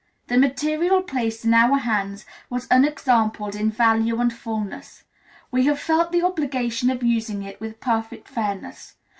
The material placed in our hands was unexampled in value and fullness; we have felt the obligation of using it with perfect fairness.